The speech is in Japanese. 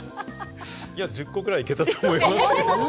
１０個ぐらいいけたと思いますけれども。